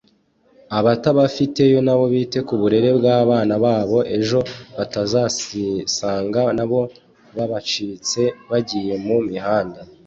Abatabafiteyo nabo bite ku burere bw’abana babo ejo batazisanga nabo babacitse bagiye mu mihanda…”